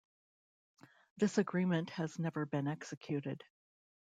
This agreement has never been executed.